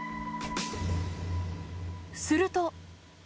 すると。